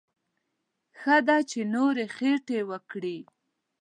ښه ده چې نورې خټې وکړي.